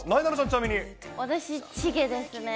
私、チゲですね。